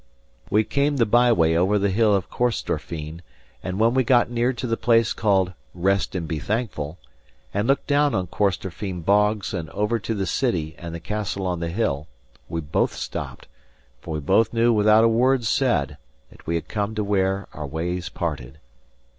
We came the by way over the hill of Corstorphine; and when we got near to the place called Rest and be Thankful, and looked down on Corstorphine bogs and over to the city and the castle on the hill, we both stopped, for we both knew without a word said that we had come to where our ways parted.